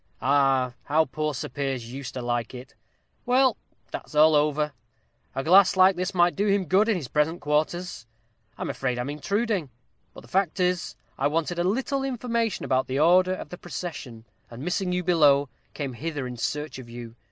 Ah, how poor Sir Piers used to like it! Well, that's all over a glass like this might do him good in his present quarters! I'm afraid I'm intruding. But the fact is, I wanted a little information about the order of the procession, and missing you below, came hither in search of you.